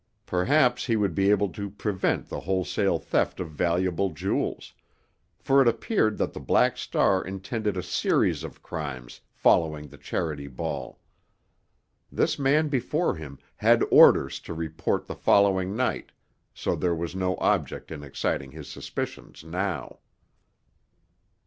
Perhaps he would be able to prevent the wholesale theft of valuable jewels; for it appeared that the Black Star intended a series of crimes following the Charity Ball. This man before him had orders to report the following night, so there was no object in exciting his suspicions now.